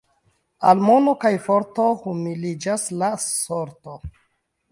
Al mono kaj forto humiliĝas la sorto.